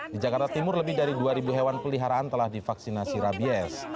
di jakarta timur lebih dari dua hewan peliharaan telah divaksinasi rabies